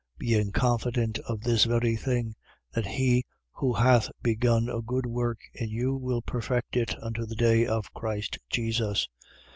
1:6. Being confident of this very thing: that he who hath begun a good work in you will perfect it unto the day of Christ Jesus.